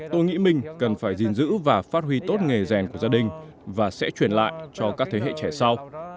tôi nghĩ mình cần phải gìn giữ và phát huy tốt nghề rèn của gia đình và sẽ truyền lại cho các thế hệ trẻ sau